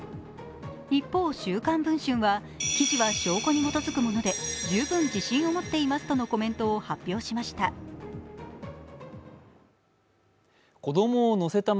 一方、「週刊文春」は記事は証拠に基づくもので十分自信を持っていますとのコメントを発表しました。